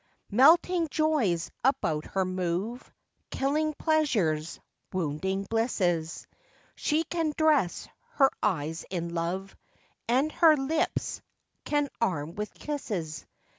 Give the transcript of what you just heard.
Melting joys about her move, Killing pleasures, wounding blisses; She can dress her eyes in love, And her lips can arm with kisses.